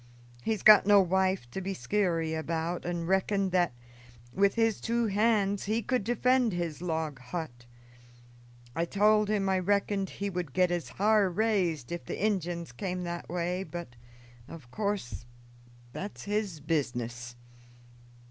He's got no wife to be skeary about, and reckoned that, with his two hands, he could defend his log hut. I told him I reckoned he would get his har raised if the Injuns came that way; but, in course, that's his business."